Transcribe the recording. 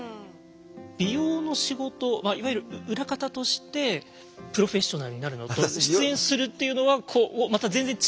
美容の仕事はいわゆる裏方としてプロフェッショナルになるのと出演するっていうのはこうまた全然違う？